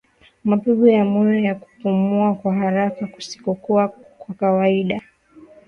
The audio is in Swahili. Mapigo ya moyo na kupumua kwa haraka kusikokuwa kwa kawaida